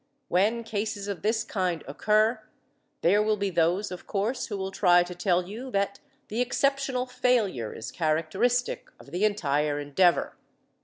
When cases of this kind occur, there will be those, of course, who will try to tell you that the exceptional failure is characteristic of the entire endeavor.